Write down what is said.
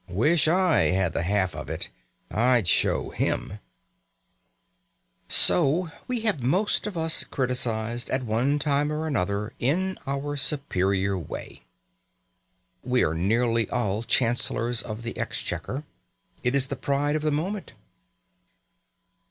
Wish I had the half of it! I'd show him " So we have most of us criticised, at one time or another, in our superior way. We are nearly all chancellors of the exchequer: it is the pride of the moment.